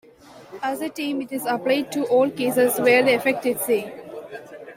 As a term, it is applied to all cases where the effect is seen.